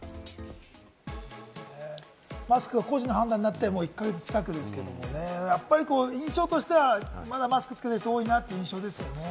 マスクが個人の判断になって１か月近くですけどね、やっぱり印象としてはまだマスクつけている人多いなっていう印象ですね。